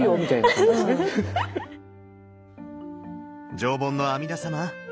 上品の阿弥陀様！